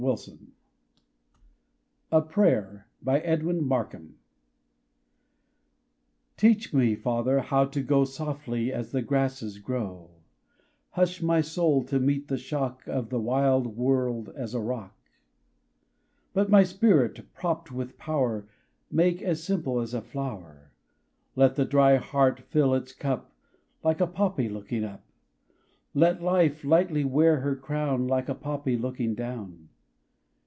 Thomas Moore 244 RAINBOW GOLD A PRAYER TEACH me, Father, how to go Softly as the grasses grow; Hush my soul to meet the shock Of the wild world as a rock; But my spirit, propt with power, Make as simple as a flower. Let the dry heart fill its cup, Like a poppy looking up; Let life lightly wear her crown, Like a poppy looking down.